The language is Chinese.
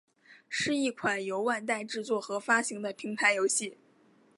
是一款由万代制作和发行的平台游戏。